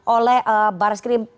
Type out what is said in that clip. oleh baris krim polri